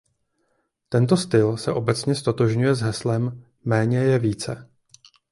Tento styl se obecně ztotožňuje s heslem "méně je více".